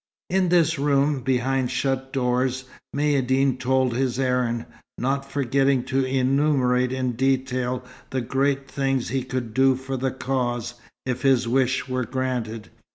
In this room, behind shut doors, Maïeddine told his errand, not forgetting to enumerate in detail the great things he could do for the Cause, if his wish were granted.